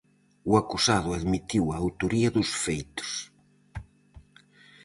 O acusado admitiu a autoría dos feitos.